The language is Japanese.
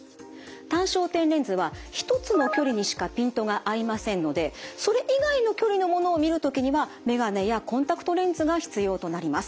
単焦点レンズは一つの距離にしかピントが合いませんのでそれ以外の距離のものを見る時には眼鏡やコンタクトレンズが必要となります。